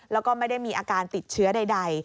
แล้วก็ไม่ได้มีอาการติดเชื้อใด